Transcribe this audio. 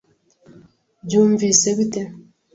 Byumvise bite?